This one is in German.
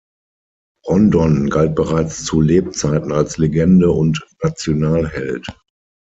Rondon galt bereits zu Lebzeiten als Legende und Nationalheld.